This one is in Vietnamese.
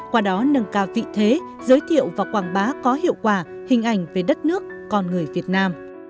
qua đó nâng cao vị thế giới thiệu và quảng bá có hiệu quả hình ảnh về đất nước con người việt nam